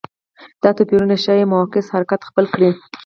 دا توپیرونه ښايي معکوس حرکت خپل کړي